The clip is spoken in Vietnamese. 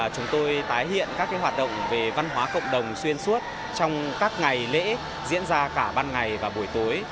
chúng tôi tái hiện các hoạt động về văn hóa cộng đồng xuyên suốt trong các ngày lễ diễn ra cả ban ngày và buổi tối